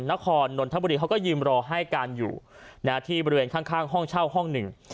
นนทบุรีเขาก็ยืนรอให้การอยู่ที่บริเวณข้างห้องเช่าห้องหนึ่ง